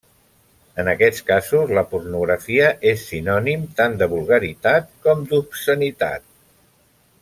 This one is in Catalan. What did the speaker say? En aquests casos, la pornografia és sinònim tant de vulgaritat com d'obscenitat.